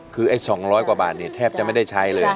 คือไอ้๒๐๐กว่าบาทเนี่ยแทบจะไม่ได้ใช้เลย